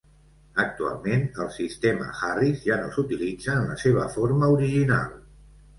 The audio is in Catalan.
Actualment, el sistema Harris ja no s'utilitza en la seva forma original.